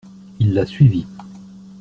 Il la suivit.